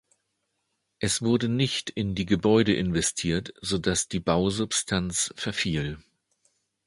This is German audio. Es wurde nicht in die Gebäude investiert, so dass die Bausubstanz verfiel.